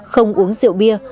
không uống rượu bia